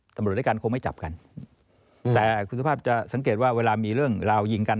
ตำรวจด้วยกันคงไม่จับกันแต่คุณสุภาพจะสังเกตว่าเวลามีเรื่องราวยิงกัน